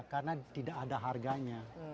karena tidak ada harganya